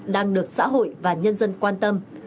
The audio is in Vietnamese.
đang được xã hội và nhân dân quan tâm